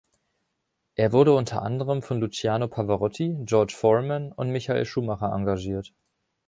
Er wurde unter anderem von Luciano Pavarotti, George Foreman und Michael Schumacher engagiert.